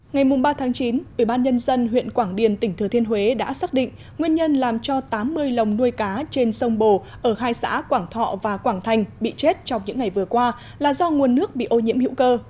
ngày ba chín ubnd huyện quảng điền tỉnh thừa thiên huế đã xác định nguyên nhân làm cho tám mươi lồng nuôi cá trên sông bồ ở hai xã quảng thọ và quảng thành bị chết trong những ngày vừa qua là do nguồn nước bị ô nhiễm hữu cơ